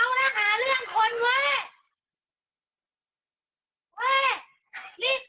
เอาแล้วหาเรื่องคนเว้ย